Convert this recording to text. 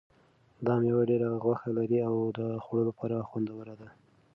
دا مېوه ډېره غوښه لري او د خوړلو لپاره خوندوره ده.